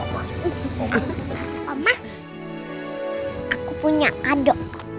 mama aku punya kadu